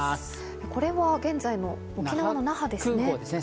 これは現在の沖縄の那覇ですね。